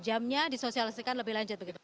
jamnya disosialisikan lebih lanjut begitu